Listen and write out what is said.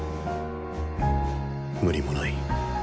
無理もない